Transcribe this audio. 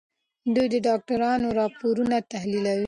دوی د ډاکټرانو راپورونه تحليلوي.